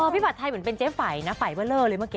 พี่บัตรไทยเหมือนเป็นเจ๊ไฝนะไฝเมื่อเล่าเลยเมื่อกี้